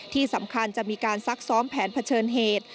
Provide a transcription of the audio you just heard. ที่สำคัญจะมีการซักซ้อมแผนเผชิญเหตุ